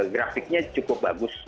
grafiknya cukup bagus